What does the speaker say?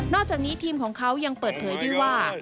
อกจากนี้ทีมของเขายังเปิดเผยด้วยว่า